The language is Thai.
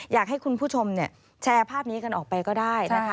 อยากให้คุณผู้ชมแชร์ภาพนี้กันออกไปก็ได้นะคะ